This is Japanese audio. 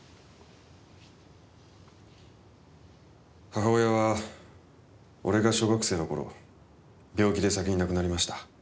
母親は俺が小学生の頃病気で先に亡くなりました。